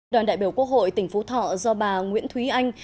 đoàn đại biểu quốc hội tỉnh phú thọ do bà nguyễn thúy anh